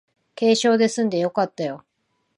軽傷ですんでよかったよ